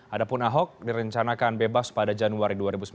adapun ahok direncanakan bebas pada januari dua ribu sembilan belas